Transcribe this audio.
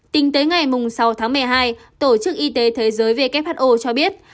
tính tới ngày sáu tháng một mươi hai tổ chức y tế thế giới who cho biết